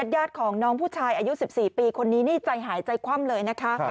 ญาติของน้องผู้ชายอายุ๑๔ปีคนนี้นี่ใจหายใจคว่ำเลยนะคะ